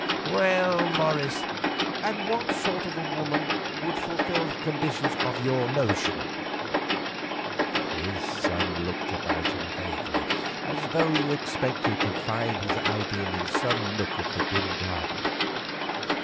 "Well, Morris, and what sort of a woman would fulfil the conditions, to your notion?" His son looked about him vaguely, as though he expected to find his ideal in some nook of the dim garden.